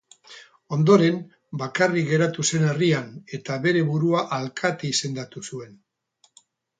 Ondoren bakarrik geratu zen herrian eta bere burua alkate izendatu zuen.